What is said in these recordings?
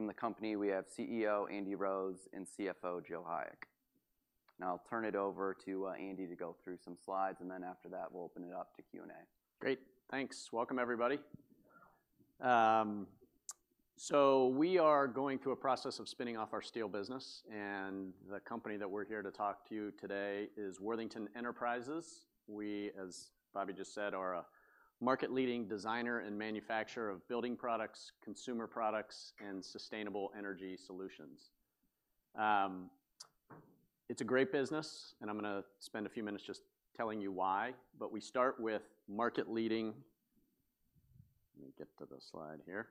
From the company, we have CEO Andy Rose and CFO Joe Hayek. Now, I'll turn it over to Andy to go through some slides, and then after that, we'll open it up to Q&A. Great. Thanks. Welcome, everybody. So we are going through a process of spinning off our steel business, and the company that we're here to talk to you today is Worthington Enterprises. We, as Bobby just said, are a market-leading designer and manufacturer of building products, consumer products, and sustainable energy solutions. It's a great business, and I'm gonna spend a few minutes just telling you why, but we start with market-leading... Let me get to the slide here.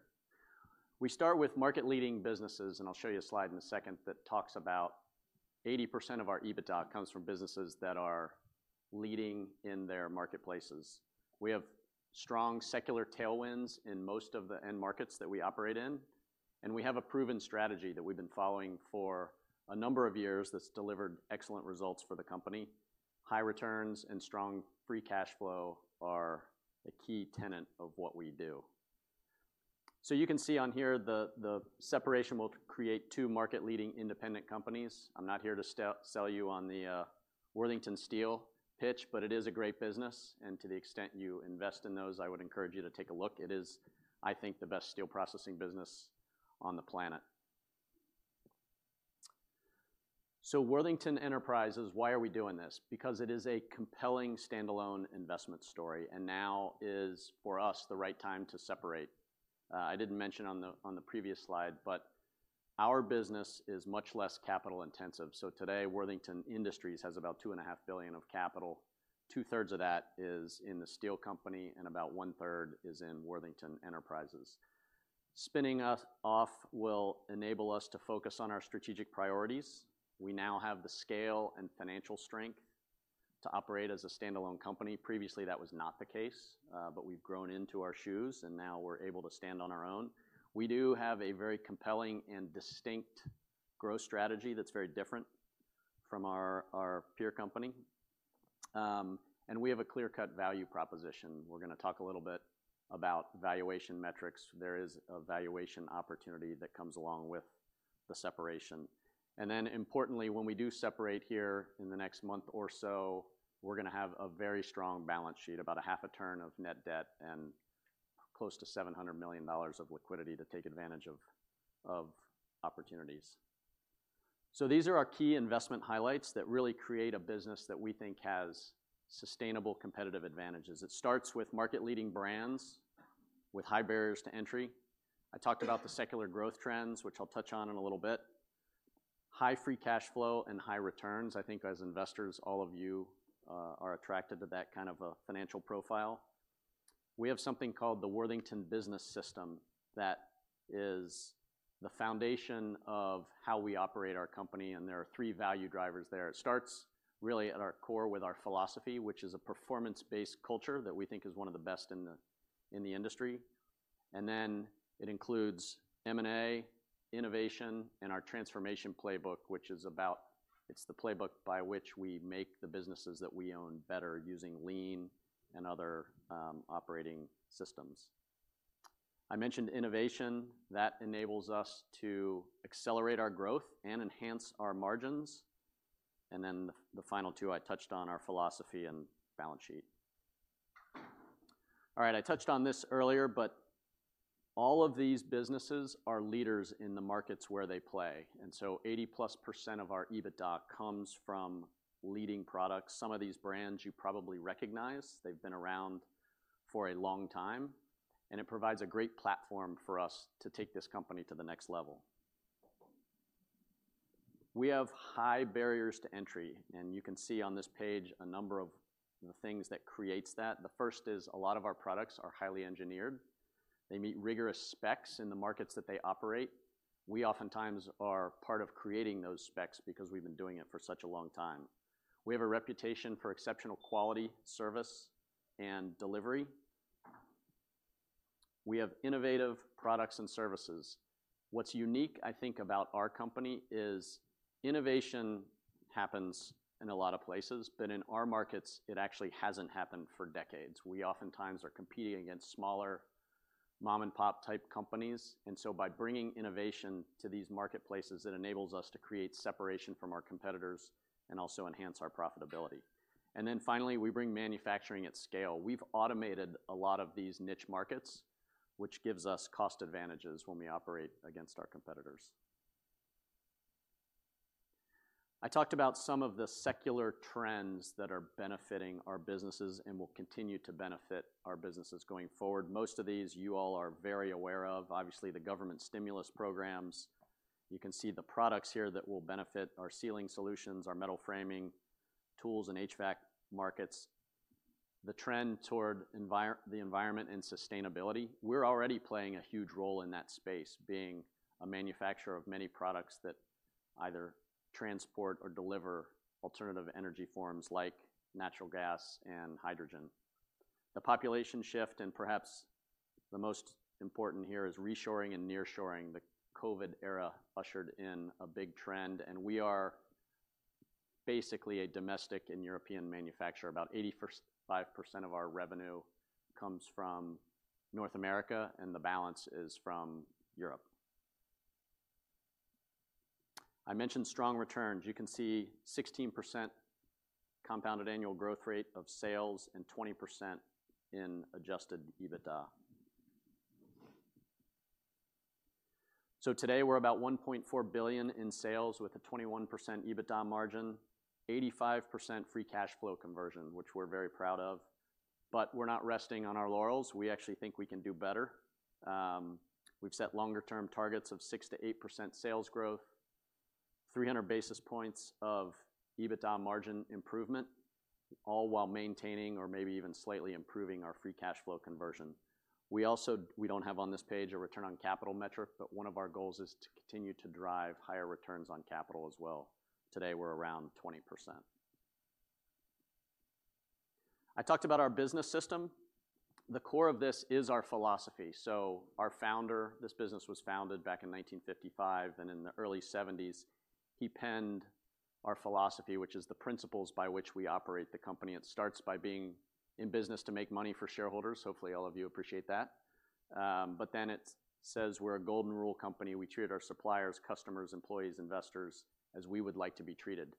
We start with market-leading businesses, and I'll show you a slide in a second that talks about 80% of our EBITDA comes from businesses that are leading in their marketplaces. We have strong secular tailwinds in most of the end markets that we operate in, and we have a proven strategy that we've been following for a number of years that's delivered excellent results for the company. High returns and strong free cash flow are a key tenet of what we do. So you can see on here, the separation will create two market-leading independent companies. I'm not here to sell you on the Worthington Steel pitch, but it is a great business, and to the extent you invest in those, I would encourage you to take a look. It is, I think, the best steel processing business on the planet. So Worthington Enterprises, why are we doing this? Because it is a compelling standalone investment story, and now is, for us, the right time to separate. I didn't mention on the previous slide, but our business is much less capital intensive. So today, Worthington Industries has about $2.5 billion of capital. Two-thirds of that is in the steel company, and about 1/3 is in Worthington Enterprises. Spinning us off will enable us to focus on our strategic priorities. We now have the scale and financial strength to operate as a standalone company. Previously, that was not the case, but we've grown into our shoes, and now we're able to stand on our own. We do have a very compelling and distinct growth strategy that's very different from our, our peer company. And we have a clear-cut value proposition. We're gonna talk a little bit about valuation metrics. There is a valuation opportunity that comes along with the separation. And then importantly, when we do separate here in the next month or so, we're gonna have a very strong balance sheet, about half a turn of net debt and close to $700 million of liquidity to take advantage of, of opportunities. So these are our key investment highlights that really create a business that we think has sustainable competitive advantages. It starts with market-leading brands with high barriers to entry. I talked about the secular growth trends, which I'll touch on in a little bit. High free cash flow and high returns. I think as investors, all of you, are attracted to that kind of a financial profile. We have something called the Worthington Business System that is the foundation of how we operate our company, and there are three value drivers there. It starts really at our core with our philosophy, which is a performance-based culture that we think is one of the best in the industry. It includes M&A, innovation, and our transformation playbook, which is about. It's the playbook by which we make the businesses that we own better using Lean and other operating systems. I mentioned innovation. That enables us to accelerate our growth and enhance our margins. Then the final two I touched on are philosophy and balance sheet. All right, I touched on this earlier, but all of these businesses are leaders in the markets where they play, and so 80+% of our EBITDA comes from leading products. Some of these brands you probably recognize. They've been around for a long time, and it provides a great platform for us to take this company to the next level. We have high barriers to entry, and you can see on this page a number of the things that creates that. The first is a lot of our products are highly engineered. They meet rigorous specs in the markets that they operate. We oftentimes are part of creating those specs because we've been doing it for such a long time. We have a reputation for exceptional quality, service, and delivery. We have innovative products and services. What's unique, I think, about our company is innovation happens in a lot of places, but in our markets, it actually hasn't happened for decades. We oftentimes are competing against smaller mom-and-pop type companies, and so by bringing innovation to these marketplaces, it enables us to create separation from our competitors and also enhance our profitability. Then finally, we bring manufacturing at scale. We've automated a lot of these niche markets, which gives us cost advantages when we operate against our competitors. I talked about some of the secular trends that are benefiting our businesses and will continue to benefit our businesses going forward. Most of these, you all are very aware of. Obviously, the government stimulus programs. You can see the products here that will benefit our ceiling solutions, our metal framing, tools, and HVAC markets. The trend toward the environment and sustainability, we're already playing a huge role in that space, being a manufacturer of many products that either transport or deliver alternative energy forms like natural gas and hydrogen. The population shift, and perhaps the most important here, is reshoring and nearshoring. The COVID era ushered in a big trend, and we are basically a domestic and European manufacturer. About 85% of our revenue comes from North America, and the balance is from Europe. I mentioned strong returns. You can see 16% compounded annual growth rate of sales and 20% in adjusted EBITDA. So today, we're about $1.4 billion in sales with a 21% EBITDA margin, 85% free cash flow conversion, which we're very proud of, but we're not resting on our laurels. We actually think we can do better. We've set longer-term targets of 6%-8% sales growth, 300 basis points of EBITDA margin improvement, all while maintaining or maybe even slightly improving our free cash flow conversion. We also, we don't have on this page a return on capital metric, but one of our goals is to continue to drive higher returns on capital as well. Today, we're around 20%. I talked about our business system. The core of this is our philosophy. So our founder, this business was founded back in 1955, and in the early 1970s, he penned our philosophy, which is the principles by which we operate the company. It starts by being in business to make money for shareholders. Hopefully, all of you appreciate that. But then it says, we're a golden rule company. We treat our suppliers, customers, employees, investors, as we would like to be treated.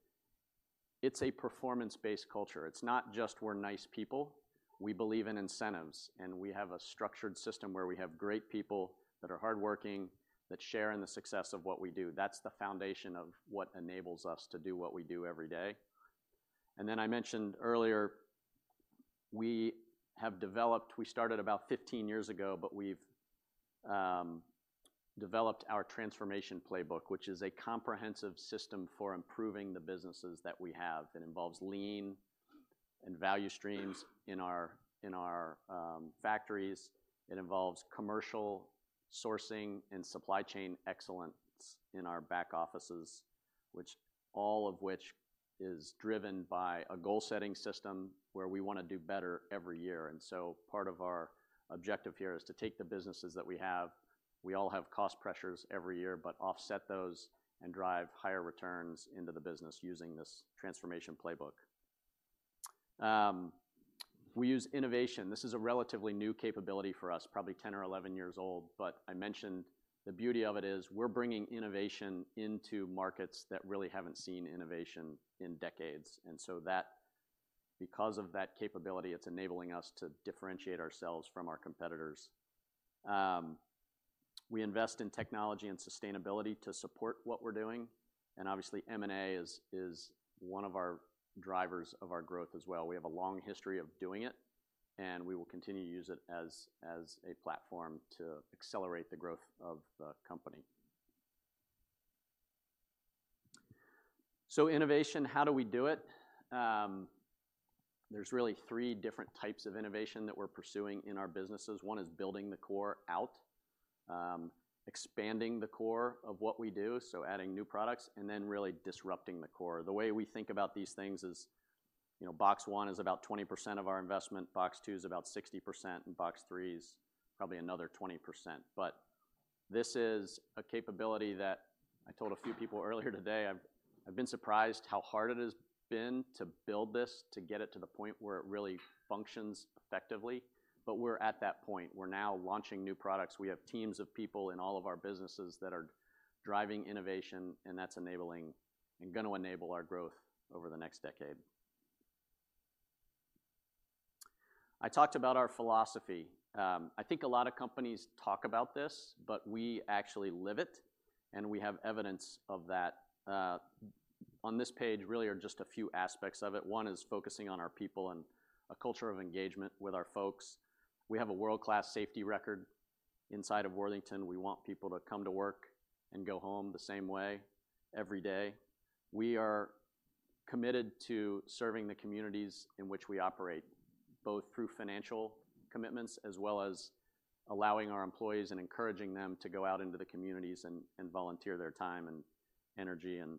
It's a performance-based culture. It's not just we're nice people. We believe in incentives, and we have a structured system where we have great people that are hardworking, that share in the success of what we do. That's the foundation of what enables us to do what we do every day. And then I mentioned earlier, we have developed—we started about 15 years ago, but we've developed our transformation playbook, which is a comprehensive system for improving the businesses that we have. It involves Lean and Value Streams in our factories. It involves commercial sourcing and supply chain excellence in our back offices, all of which is driven by a goal-setting system where we wanna do better every year. So part of our objective here is to take the businesses that we have, we all have cost pressures every year, but offset those and drive higher returns into the business using this transformation playbook. We use innovation. This is a relatively new capability for us, probably 10 or 11 years old, but I mentioned the beauty of it is we're bringing innovation into markets that really haven't seen innovation in decades. Because of that capability, it's enabling us to differentiate ourselves from our competitors. We invest in technology and sustainability to support what we're doing, and obviously, M&A is one of our drivers of our growth as well. We have a long history of doing it, and we will continue to use it as a platform to accelerate the growth of the company. So innovation, how do we do it? There's really three different types of innovation that we're pursuing in our businesses. One is building the core out, expanding the core of what we do, so adding new products, and then really disrupting the core. The way we think about these things is, you know, box one is about 20% of our investment, box two is about 60%, and box three is probably another 20%. But this is a capability that I told a few people earlier today, I've been surprised how hard it has been to build this, to get it to the point where it really functions effectively, but we're at that point. We're now launching new products. We have teams of people in all of our businesses that are driving innovation, and that's enabling and gonna enable our growth over the next decade. I talked about our philosophy. I think a lot of companies talk about this, but we actually live it, and we have evidence of that. On this page, really are just a few aspects of it. One is focusing on our people and a culture of engagement with our folks. We have a world-class safety record inside of Worthington. We want people to come to work and go home the same way every day. We are committed to serving the communities in which we operate, both through financial commitments as well as allowing our employees and encouraging them to go out into the communities and volunteer their time and energy, and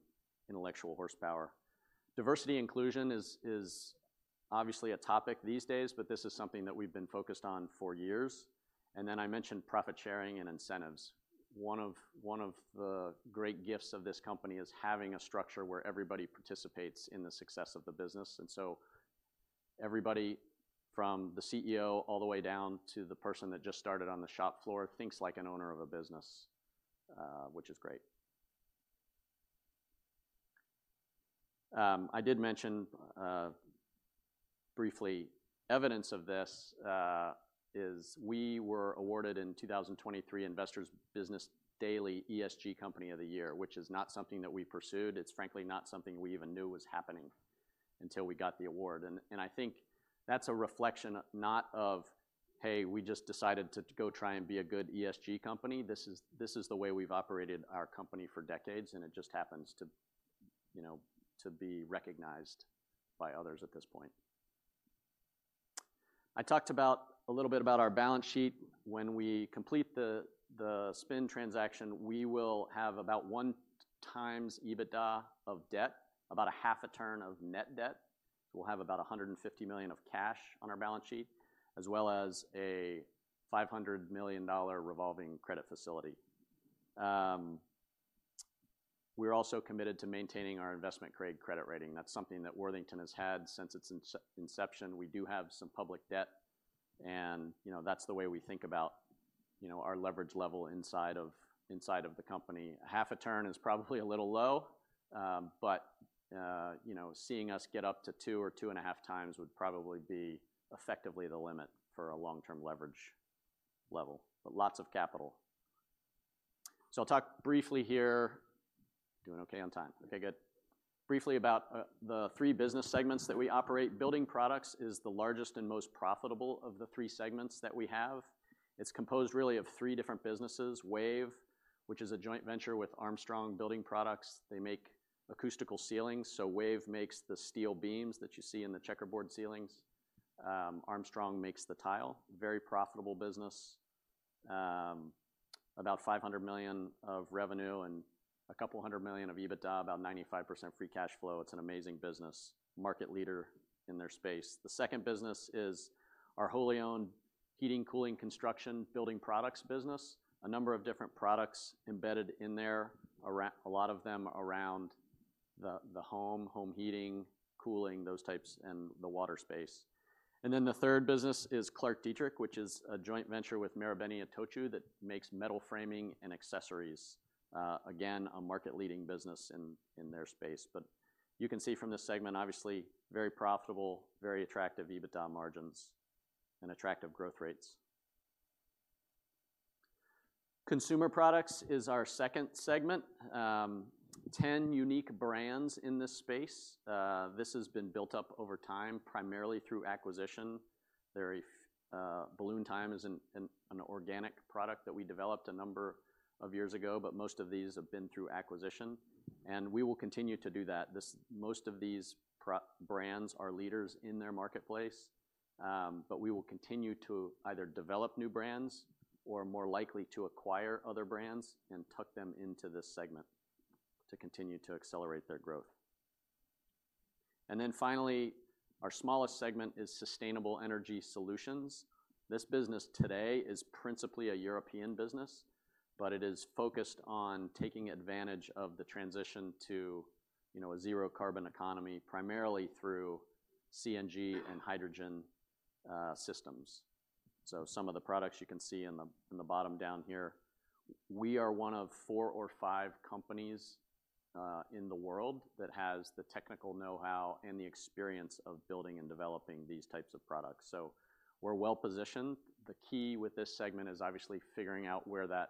intellectual horsepower. Diversity inclusion is obviously a topic these days, but this is something that we've been focused on for years. And then I mentioned profit sharing and incentives. One of the great gifts of this company is having a structure where everybody participates in the success of the business. And so everybody from the CEO, all the way down to the person that just started on the shop floor, thinks like an owner of a business, which is great. I did mention briefly, evidence of this is we were awarded in 2023, Investor's Business Daily ESG Company of the Year, which is not something that we pursued. It's frankly not something we even knew was happening until we got the award. I think that's a reflection not of, "Hey, we just decided to go try and be a good ESG company." This is the way we've operated our company for decades, and it just happens to, you know, to be recognized by others at this point. I talked a little bit about our balance sheet. When we complete the spin transaction, we will have about 1x EBITDA of debt, about half a turn of net debt. We'll have about $150 million of cash on our balance sheet, as well as a $500 million revolving credit facility. We're also committed to maintaining our investment grade credit rating. That's something that Worthington has had since its inception. We do have some public debt, and, you know, that's the way we think about, you know, our leverage level inside of, inside of the company. half a turn is probably a little low, but, you know, seeing us get up to 2 or 2.5 times would probably be effectively the limit for a long-term leverage level, but lots of capital. So I'll talk briefly here... Doing okay on time? Okay, good. Briefly about the three business segments that we operate. Building Products is the largest and most profitable of the three segments that we have. It's composed really of three different businesses: WAVE, which is a joint venture with Armstrong Building Products. They make acoustical ceilings, so WAVE makes the steel beams that you see in the checkerboard ceilings. Armstrong makes the tile. Very profitable business. About $500 million of revenue and $200 million of EBITDA, about 95% free cash flow. It's an amazing business, market leader in their space. The second business is our wholly owned heating, cooling, construction, building products business. A number of different products embedded in there, a lot of them around the home, home heating, cooling, those types, and the water space. Then the third business is ClarkDietrich, which is a joint venture with Marubeni and Itochu that makes metal framing and accessories. Again, a market-leading business in their space. But you can see from this segment, obviously, very profitable, very attractive EBITDA margins and attractive growth rates. Consumer Products is our second segment. 10 unique brands in this space. This has been built up over time, primarily through acquisition. Balloon Time is an organic product that we developed a number of years ago, but most of these have been through acquisition, and we will continue to do that. Most of these brands are leaders in their marketplace, but we will continue to either develop new brands or, more likely, to acquire other brands and tuck them into this segment to continue to accelerate their growth. And then finally, our smallest segment is Sustainable Energy Solutions. This business today is principally a European business, but it is focused on taking advantage of the transition to, you know, a zero-carbon economy, primarily through CNG and hydrogen systems. So some of the products you can see in the bottom down here. We are one of four or five companies in the world that has the technical know-how and the experience of building and developing these types of products, so we're well-positioned. The key with this segment is obviously figuring out where that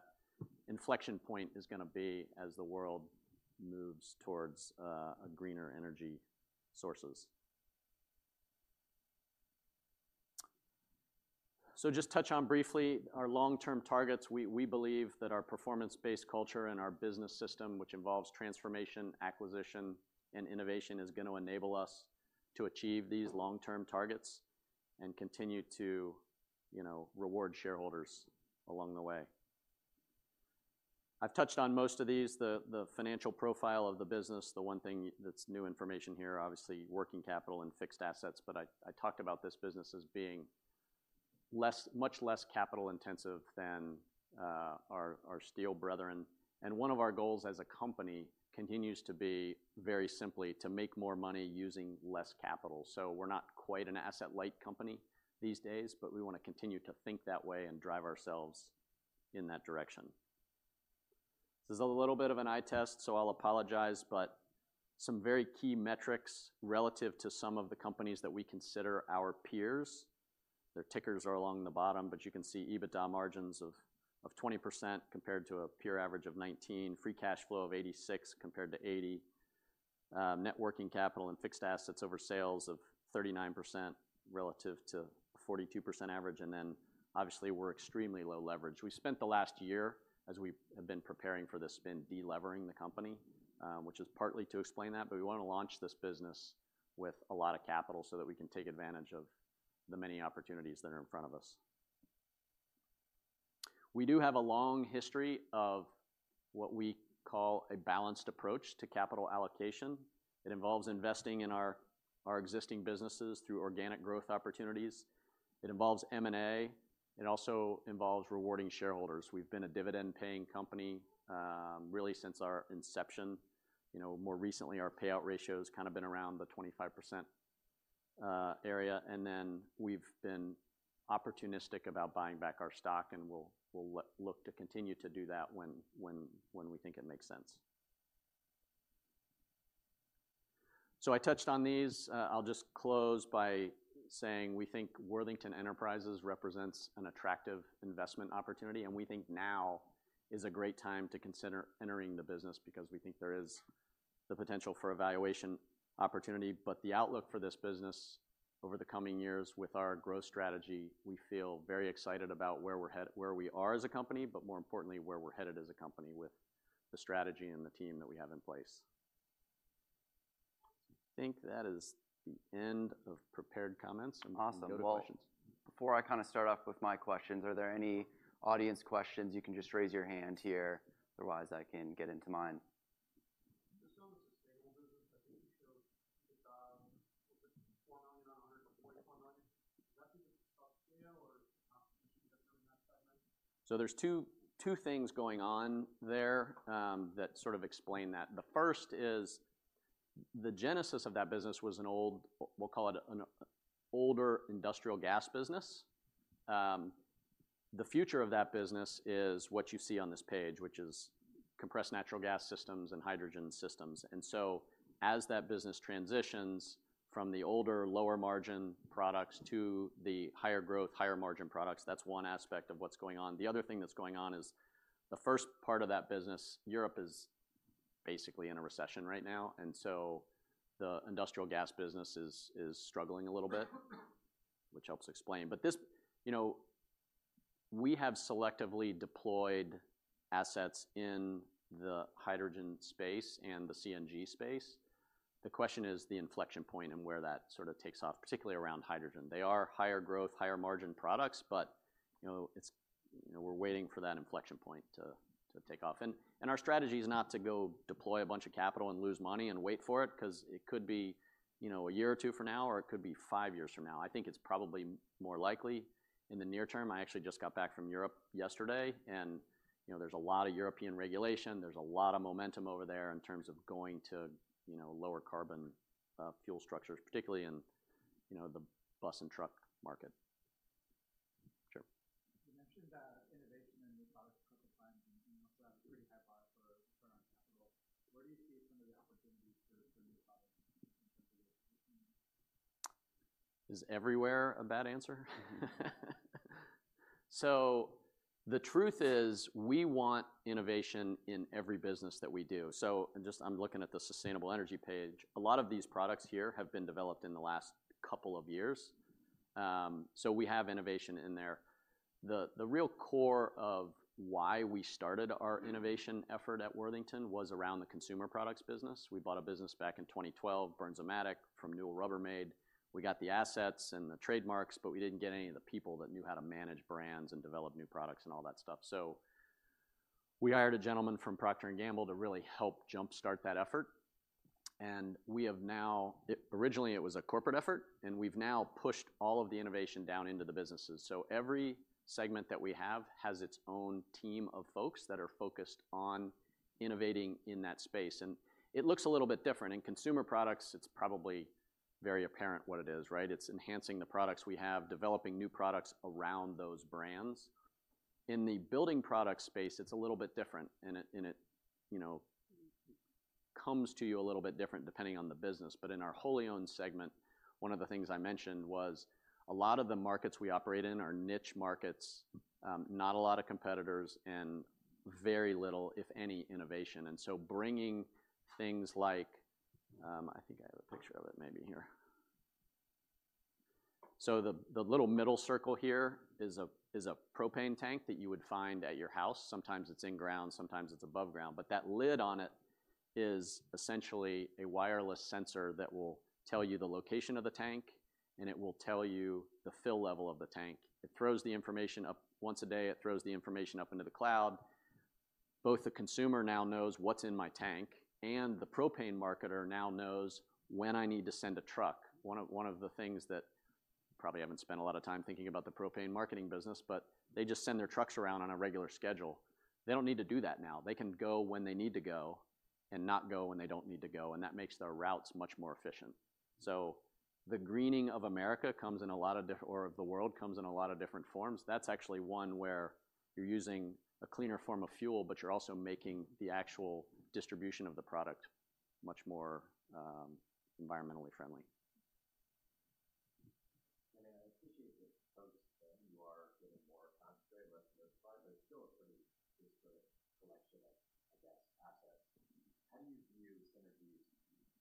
inflection point is gonna be as the world moves towards a greener energy sources. So just touch on briefly our long-term targets. We believe that our performance-based culture and our business system, which involves transformation, acquisition, and innovation, is gonna enable us to achieve these long-term targets and continue to, you know, reward shareholders along the way. I've touched on most of these, the financial profile of the business. The one thing that's new information here, obviously, working capital and fixed assets, but I talked about this business as being much less capital-intensive than our steel brethren. And one of our goals as a company continues to be very simply to make more money using less capital. So we're not quite an asset-light company these days, but we wanna continue to think that way and drive ourselves in that direction. This is a little bit of an eye test, so I'll apologize, but some very key metrics relative to some of the companies that we consider our peers. Their tickers are along the bottom, but you can see EBITDA margins of twenty percent compared to a peer average of nineteen, free cash flow of 86 compared to 80, net working capital and fixed assets over sales of 39% relative to 42% average, and then, obviously, we're extremely low leverage. We spent the last year, as we have been preparing for this spin, de-levering the company, which is partly to explain that. But we wanna launch this business with a lot of capital so that we can take advantage of the many opportunities that are in front of us. We do have a long history of what we call a balanced approach to capital allocation. It involves investing in our, our existing businesses through organic growth opportunities. It involves M&A. It also involves rewarding shareholders. We've been a dividend-paying company really since our inception. You know, more recently, our payout ratio has kind of been around the 25% area, and then we've been opportunistic about buying back our stock, and we'll look to continue to do that when we think it makes sense. So I touched on these. I'll just close by saying we think Worthington Enterprises represents an attractive investment opportunity, and we think now is a great time to consider entering the business because we think there is the potential for a valuation opportunity. But the outlook for this business over the coming years with our growth strategy, we feel very excited about where we are as a company, but more importantly, where we're headed as a company with the strategy and the team that we have in place. I think that is the end of prepared comments. Awesome. We can go to questions. Well, before I kind of start off with my questions, are there any audience questions? You can just raise your hand here. Otherwise, I can get iinto mine. So there's two things going on there that sort of explain that. The first is the genesis of that business was an old, we'll call it an, older industrial gas business. The future of that business is what you see on this page, which is compressed natural gas systems and hydrogen systems. And so as that business transitions from the older, lower-margin products to the higher-growth, higher-margin products, that's one aspect of what's going on. The other thing that's going on is, the first part of that business, Europe is basically in a recession right now, and so the industrial gas business is struggling a little bit, which helps explain. But this. You know, we have selectively deployed assets in the hydrogen space and the CNG space. The question is the inflection point and where that sort of takes off, particularly around hydrogen. They are higher-growth, higher-margin products, but, you know, it's, you know, we're waiting for that inflection point to take off. Our strategy is not to go deploy a bunch of capital and lose money and wait for it, 'cause it could be, you know, a year or two from now, or it could be five years from now. I think it's probably more likely in the near term. I actually just got back from Europe yesterday, and, you know, there's a lot of European regulation. There's a lot of momentum over there in terms of going to, you know, lower carbon fuel structures, particularly in, you know, the bus and truck market. Sure. You mentioned that innovation in new products, couple times, and you also have a pretty high bar for return on capital. Where do you see some of the opportunities for new products in terms of innovation? Is everywhere a bad answer? So the truth is, we want innovation in every business that we do. So just... I'm looking at the sustainable energy page. A lot of these products here have been developed in the last couple of years. So we have innovation in there. The real core of why we started our innovation effort at Worthington was around the consumer products business. We bought a business back in 2012, Bernzomatic, from Newell Rubbermaid. We got the assets and the trademarks, but we didn't get any of the people that knew how to manage brands and develop new products and all that stuff. So we hired a gentleman from Procter & Gamble to really help jumpstart that effort, and we have now, originally, it was a corporate effort, and we've now pushed all of the innovation down into the businesses. So every segment that we have has its own team of folks that are focused on innovating in that space, and it looks a little bit different. In consumer products, it's probably very apparent what it is, right? It's enhancing the products we have, developing new products around those brands. In the building product space, it's a little bit different, and it, you know, comes to you a little bit different depending on the business. But in our wholly owned segment, one of the things I mentioned was a lot of the markets we operate in are niche markets. Not a lot of competitors and very little, if any, innovation. And so bringing things like... I think I have a picture of it maybe here. So the little middle circle here is a propane tank that you would find at your house. Sometimes it's in ground, sometimes it's above ground, but that lid on it is essentially a wireless sensor that will tell you the location of the tank, and it will tell you the fill level of the tank. It throws the information up. Once a day, it throws the information up into the cloud. Both the consumer now knows what's in my tank, and the propane marketer now knows when I need to send a truck. One of the things that, probably haven't spent a lot of time thinking about the propane marketing business, but they just send their trucks around on a regular schedule. They don't need to do that now. They can go when they need to go and not go when they don't need to go, and that makes their routes much more efficient. So the greening of America, or of the world, comes in a lot of different forms. That's actually one where you're using a cleaner form of fuel, but you're also making the actual distribution of the product much more environmentally friendly. I appreciate the focus, that you are getting more concentrated, less diversified, but still a pretty good sort of collection of, I guess, assets. How do you view synergies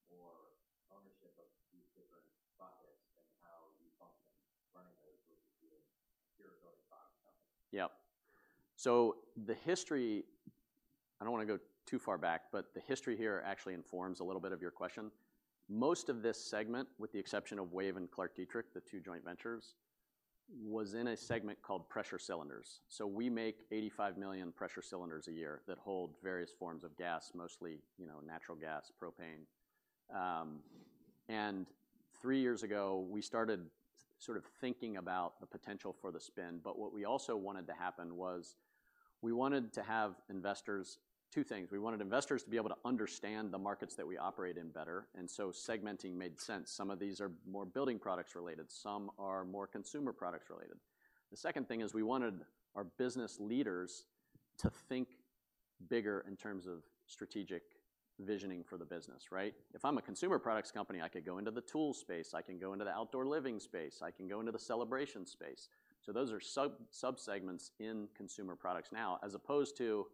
for ownership of these different buckets and how you function running those versus being a purely product company? Yep. So the history—I don't wanna go too far back, but the history here actually informs a little bit of your question. Most of this segment, with the exception of WAVE and ClarkDietrich, the two joint ventures, was in a segment called pressure cylinders. So we make 85 million pressure cylinders a year that hold various forms of gas, mostly, you know, natural gas, propane. And three years ago, we started sort of thinking about the potential for the spin, but what we also wanted to happen was, we wanted to have investors: Two things: We wanted investors to be able to understand the markets that we operate in better, and so segmenting made sense. Some of these are more building products related, some are more consumer products related. The second thing is, we wanted our business leaders to think bigger in terms of strategic visioning for the business, right? If I'm a consumer products company, I could go into the tool space, I can go into the outdoor living space, I can go into the celebration space. So those are sub, sub-segments in consumer products now, as opposed to,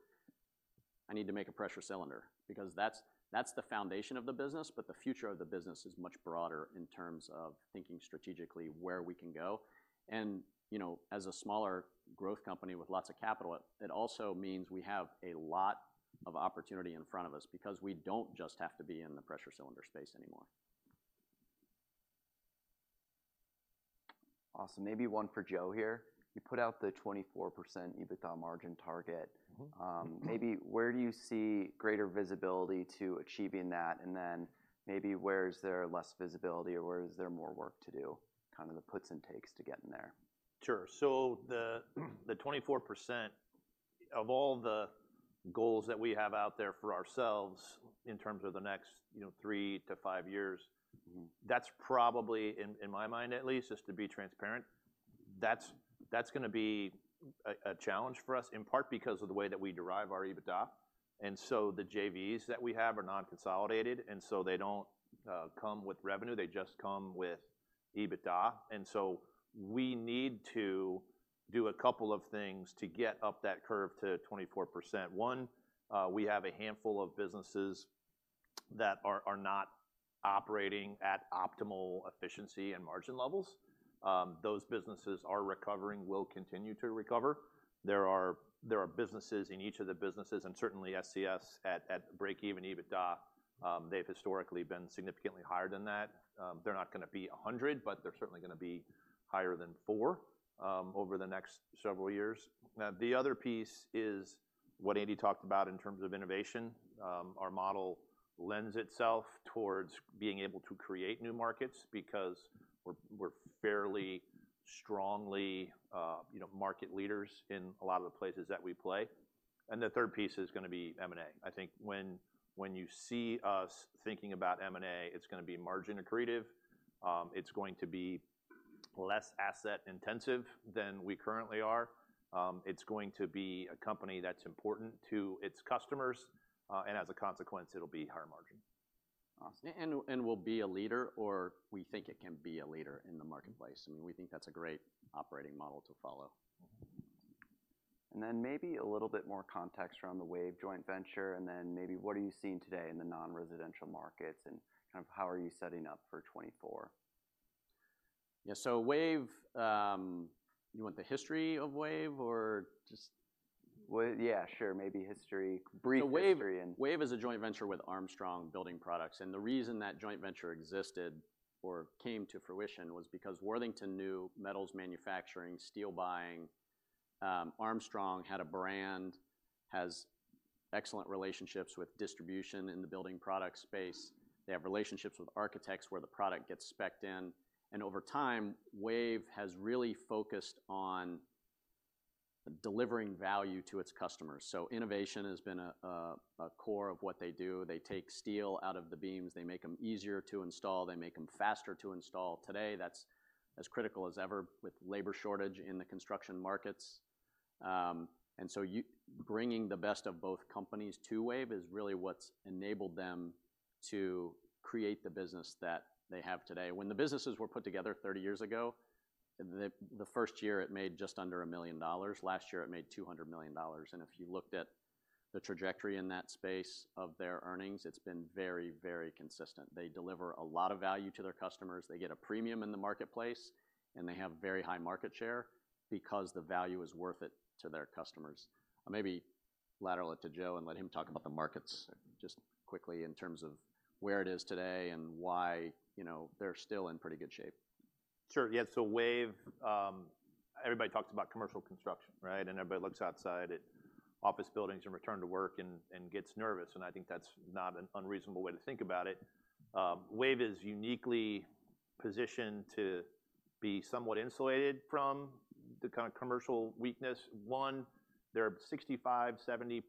"I need to make a pressure cylinder," because that's, that's the foundation of the business, but the future of the business is much broader in terms of thinking strategically where we can go. And, you know, as a smaller growth company with lots of capital, it also means we have a lot of opportunity in front of us because we don't just have to be in the pressure cylinder space anymore. Awesome. Maybe one for Joe here. You put out the 24% EBITDA margin target. Mm-hmm. Mm-hmm. Maybe where do you see greater visibility to achieving that? And then maybe where is there less visibility or where is there more work to do? Kind of the puts and takes to getting there. Sure. So the 24%-... of all the goals that we have out there for ourselves in terms of the next, you know, three to five years, that's probably, in my mind at least, just to be transparent, that's gonna be a challenge for us, in part because of the way that we derive our EBITDA. And so the JVs that we have are non-consolidated, and so they don't come with revenue, they just come with EBITDA. And so we need to do a couple of things to get up that curve to 24%. One, we have a handful of businesses that are not operating at optimal efficiency and margin levels. Those businesses are recovering, will continue to recover. There are businesses in each of the businesses, and certainly SES, at breakeven EBITDA, they've historically been significantly higher than that. They're not gonna be 100, but they're certainly gonna be higher than four over the next several years. Now, the other piece is what Andy talked about in terms of innovation. Our model lends itself towards being able to create new markets because we're fairly strongly, you know, market leaders in a lot of the places that we play. And the third piece is gonna be M&A. I think when you see us thinking about M&A, it's gonna be margin accretive, it's going to be less asset-intensive than we currently are. It's going to be a company that's important to its customers, and as a consequence, it'll be higher margin. Awesome. And we'll be a leader, or we think it can be a leader in the marketplace, and we think that's a great operating model to follow. And then maybe a little bit more context around the WAVE joint venture, and then maybe what are you seeing today in the non-residential markets, and kind of how are you setting up for 2024? Yeah, so WAVE... You want the history of WAVE or just- Well, yeah, sure. Maybe history, brief history and- WAVE, WAVE is a joint venture with Armstrong Building Products, and the reason that joint venture existed or came to fruition was because Worthington knew metals manufacturing, steel buying. Armstrong had a brand, has excellent relationships with distribution in the building product space. They have relationships with architects where the product gets spec'd in, and over time, WAVE has really focused on delivering value to its customers. So innovation has been a core of what they do. They take steel out of the beams, they make them easier to install, they make them faster to install. Today, that's as critical as ever with labor shortage in the construction markets. And so you bringing the best of both companies to WAVE is really what's enabled them to create the business that they have today. When the businesses were put together 30 years ago, the first year it made just under $1 million. Last year, it made $200 million, and if you looked at the trajectory in that space of their earnings, it's been very, very consistent. They deliver a lot of value to their customers. They get a premium in the marketplace, and they have very high market share because the value is worth it to their customers. Maybe lateral it to Joe and let him talk about the markets just quickly in terms of where it is today and why, you know, they're still in pretty good shape. Sure, yeah. So WAVE, everybody talks about commercial construction, right? And everybody looks outside at office buildings and return to work and, and gets nervous, and I think that's not an unreasonable way to think about it. WAVE is uniquely positioned to be somewhat insulated from the kind of commercial weakness. One, they're 65%-70%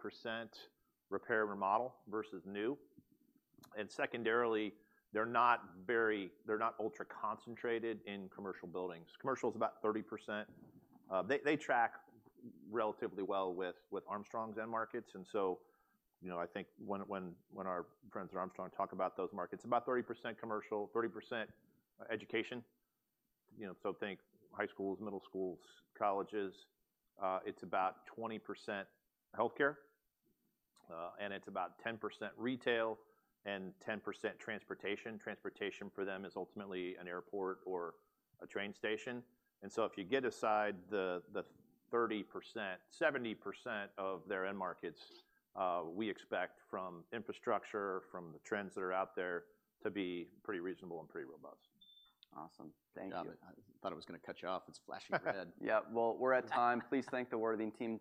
repair, remodel versus new, and secondarily, they're not ultra-concentrated in commercial buildings. Commercial is about 30%. They track relatively well with Armstrong's end markets, and so, you know, I think when our friends at Armstrong talk about those markets, about 30% commercial, 30% education, you know, so think high schools, middle schools, colleges. It's about 20% healthcare, and it's about 10% retail and 10% transportation. Transportation for them is ultimately an airport or a train station. And so if you get aside the 30%, 70% of their end markets, we expect from infrastructure, from the trends that are out there to be pretty reasonable and pretty robust. Awesome. Thank you. Yeah. I thought it was gonna cut you off. It's flashing red. Yeah, well, we're out of time. Please thank the Worthington team-